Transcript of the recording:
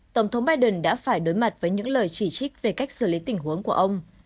tổng thống biden đã phải đối mặt với những lời chỉ trích về cách xử lý tình huống của ông